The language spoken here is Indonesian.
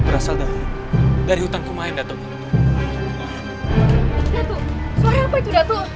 berarti taatku terdiri dari otak ke ganda nih